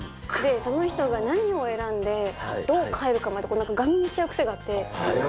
その人が何を選んで、どう帰るかまで、ガン見しちゃう癖があって。